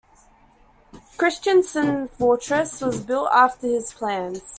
Kristiansten Fortress was built after his plans.